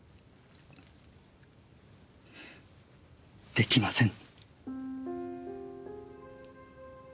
できません。